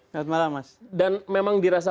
selamat malam mas dan memang dirasa